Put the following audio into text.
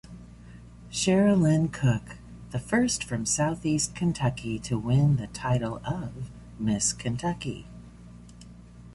Chera-Lyn Cook, the first from Southeast Kentucky to win the title of Miss Kentucky.